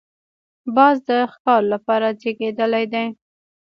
باز د ښکار لپاره زېږېدلی دی